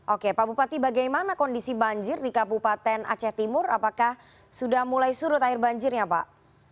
oke pak bupati bagaimana kondisi banjir di kabupaten aceh timur apakah sudah mulai surut air banjirnya pak